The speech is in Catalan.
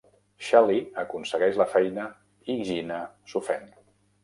Shelley aconsegueix la feina i Geena s'ofèn.